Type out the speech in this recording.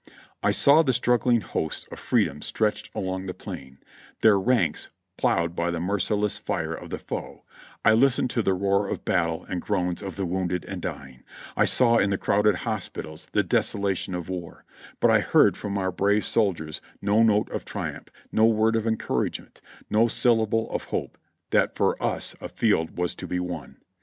I saw the struggling hosts of free dom stretched along the plain, their ranks ploughed by the merci less fire of the foe; I listened to the roar of battle and groans of the wounded and dying ; I saw in the crowded hospitals the deso lation of war, but I heard from our brave soldiers no note of triumph, no word of encouragement, no syllable of hope that for us a field was to be won.